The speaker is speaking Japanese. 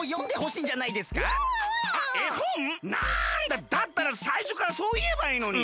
だったらさいしょからそういえばいいのに。